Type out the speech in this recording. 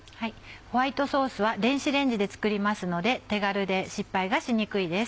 ホワイトソースは電子レンジで作りますので手軽で失敗がしにくいです。